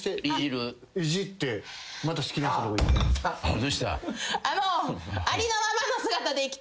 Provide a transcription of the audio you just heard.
どうした？